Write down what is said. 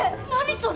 それ！